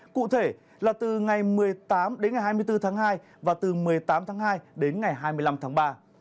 cụ thể là từ ngày một mươi tám đến ngày hai mươi bốn tháng hai và từ một mươi tám tháng hai đến ngày hai mươi năm tháng ba